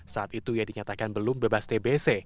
saat itu ia dinyatakan belum bebas tbc